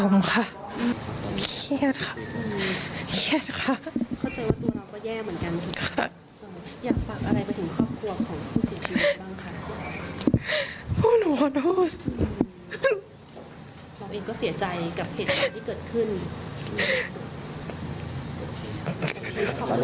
ก็เสียใจกับเหตุผลที่เกิดขึ้น